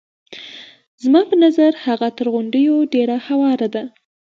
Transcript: زما په نظر هغه تر غونډیو ډېره هواره ده.